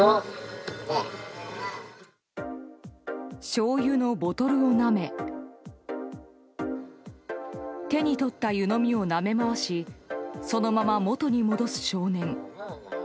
しょうゆのボトルをなめ手に取った湯飲みをなめ回しそのまま元に戻す少年。